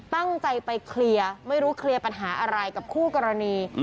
ตั้งใจไปเคลียร์ไม่รู้เคลียร์ปัญหาอะไรกับคู่กรณี